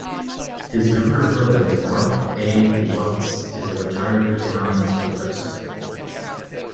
His younger brother Mark A. Lutz is a retired economics professor.